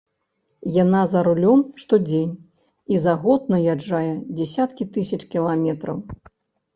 Яна за рулём штодзень, і за год наязджае дзясяткі тысяч кіламетраў.